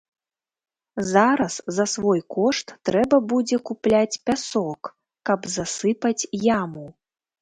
Зараз за свой кошт трэба будзе купляць пясок, каб засыпаць яму.